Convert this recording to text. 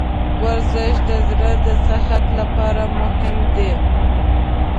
ورزش د زړه د صحت لپاره مهم دی.